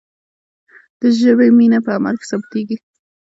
د ژبې مینه په عمل کې ثابتیږي.